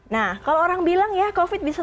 nah kalau orang bilang ya covid bisa